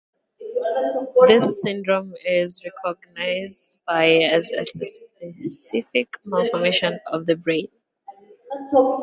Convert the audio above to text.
This syndrome is recognized by as a specific malformation of the brain.